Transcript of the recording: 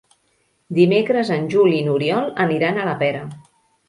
Dimecres en Juli i n'Oriol aniran a la Pera.